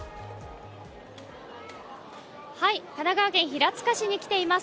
神奈川県平塚市に来ています。